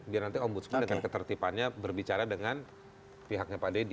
biar nanti ombudsman dengan ketertibannya berbicara dengan pihaknya pak deddy